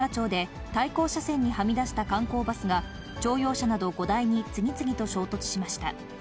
おととい、奈良県斑鳩町で対向車線にはみ出した観光バスが、乗用車など５台に次々と衝突しました。